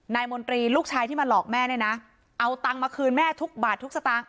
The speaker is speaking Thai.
มนตรีลูกชายที่มาหลอกแม่เนี่ยนะเอาตังค์มาคืนแม่ทุกบาททุกสตางค